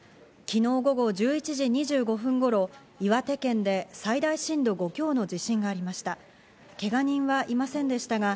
昨日午後１１時２５分頃、岩手県で最大震度５強の地震がありました。